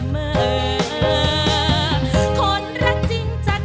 ไม่ใช้